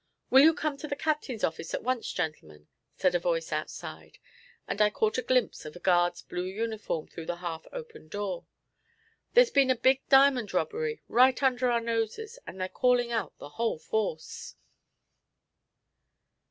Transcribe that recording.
'Will you come to the captain's office at once, gentlemen?' said a voice outside, and I caught a glimpse of a guard's blue uniform through the half opened door. 'There's been a big diamond robbery right under our noses, and they're calling out the whole force.'